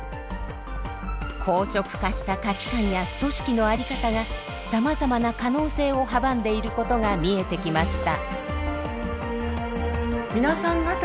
硬直化した価値観や組織のあり方がさまざまな可能性を阻んでいることが見えてきました。